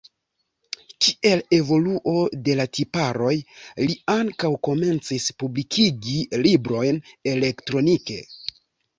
Kiel evoluo de la tiparoj li ankaŭ komencis publikigi librojn elektronike.